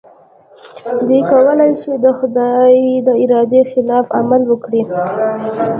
دوی کولای شي د خدای د ارادې خلاف عمل وکړي.